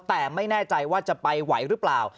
แต่ไม่แน่ใจว่าจะไปไหวหรือเปล่า